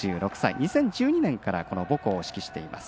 ２０１２年から母校を指揮しています。